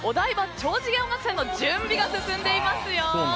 超次元音楽祭」の準備が進んでいますよ。